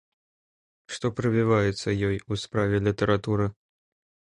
Што прывіваецца ёй у справе літаратуры?